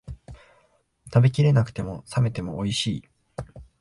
食べきれなくても、冷めてもおいしい